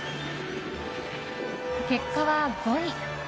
結果は５位。